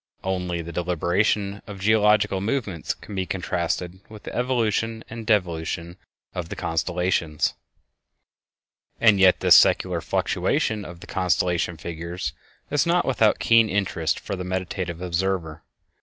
Only the deliberation of geological movements can be contrasted with the evolution and devolution of the constellations. And yet this secular fluctuation of the constellation figures is not without keen interest for the meditative observer.